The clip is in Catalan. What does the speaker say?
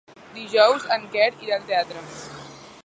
Dijous en Quer irà al teatre.